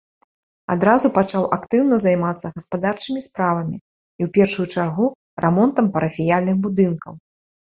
Адразу пачаў актыўна займацца гаспадарчымі справамі і ў першую чаргу рамонтам парафіяльных будынкаў.